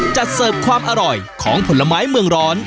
เสิร์ฟความอร่อยของผลไม้เมืองร้อน